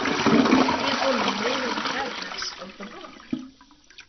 He is one of the main antagonists of the book.